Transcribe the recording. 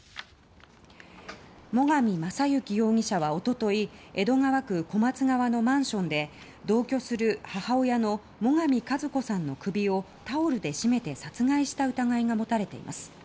最上正幸容疑者は一昨日江戸川区小松川のマンションで同居する母親の最上和子さんの首をタオルで絞めて殺害した疑いが持たれています。